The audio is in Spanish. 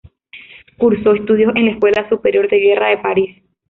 Cursó estudios en la Escuela Superior de Guerra de París.